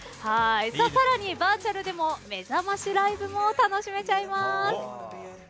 さらにバーチャルでもめざましライブも楽しめちゃいます。